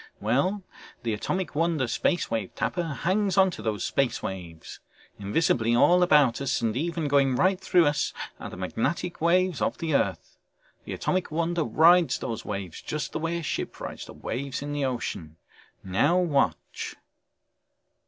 Well ... the Atomic Wonder Space Wave Tapper hangs onto those space waves. Invisibly all about us, and even going right through us, are the magnetic waves of the earth. The Atomic Wonder rides these waves just the way a ship rides the waves in the ocean. Now watch...."